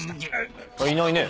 いないね。